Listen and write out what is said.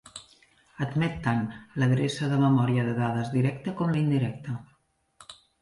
Admet tant l'adreça de memòria de dades directa com la indirecta.